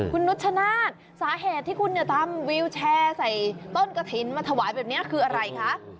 คุณนุชชนาธิ์สาเหตุที่คุณทำวิวแชร์ใส่ต้นกระถิ่นมาถวายแบบนี้คืออะไรคะ